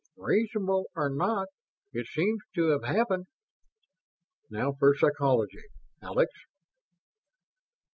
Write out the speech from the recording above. "Reasonable or not, it seems to have happened." "Now for Psychology. Alex?"